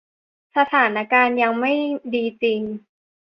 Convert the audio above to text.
สถานการณ์ยังไม่ดีจริง